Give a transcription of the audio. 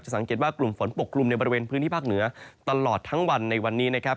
สังเกตว่ากลุ่มฝนปกกลุ่มในบริเวณพื้นที่ภาคเหนือตลอดทั้งวันในวันนี้นะครับ